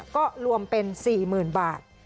ก็รวมเป็น๔๐๐๐บาท